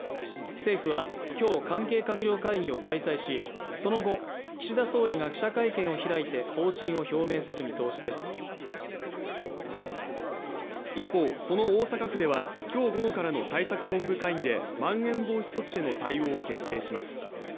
政府はきょう関係閣僚会議を開催しその後岸田総理が記者会見を開いて方針を表明する見通しです一方その大阪府ではきょう午後からの対策本部会議でまん延防止措置への対応を決定します